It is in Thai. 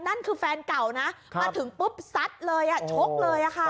นั่นคือแฟนเก่านะมาถึงปุ๊บซัดเลยชกเลยค่ะ